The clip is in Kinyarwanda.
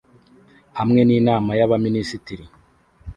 hamwe ninama y'abaminisitiri